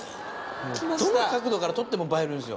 どの角度から撮っても映えるんすよ。